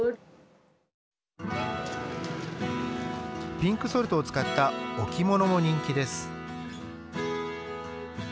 ピンクソルトを使った置物も人気です。